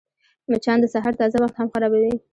مچان د سهار تازه وخت هم خرابوي